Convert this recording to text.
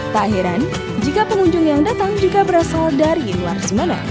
tak heran jika pengunjung yang datang juga berasal dari luar semarang